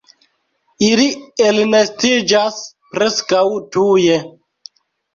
Ili elnestiĝas preskaŭ tuje.